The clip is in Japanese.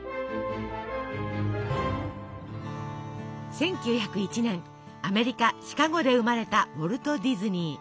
１９０１年アメリカシカゴで生まれたウォルト・ディズニー。